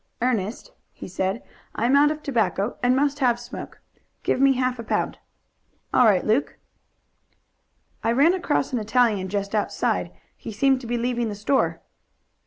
"Ernest," he said, "I am out of tobacco, and must have a smoke. Give me half a pound." "All right, Luke." "I ran across an Italian just outside. He seemed to be leaving the store."